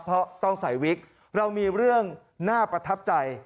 เพราะต้องใส่วิกเรามีเรื่องน่าประทับใจ